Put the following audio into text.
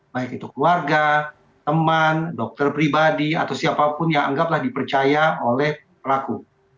baik itu keluarga teman dokter pribadi atau siapapun yang anggaplah dipercaya oleh pelaku